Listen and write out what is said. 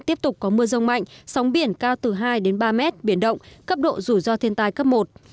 tiếp tục có mưa rông mạnh sóng biển cao từ hai đến ba mét biển động cấp độ rủi ro thiên tai cấp một